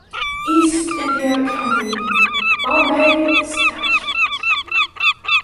East India Company, Bombay establishment.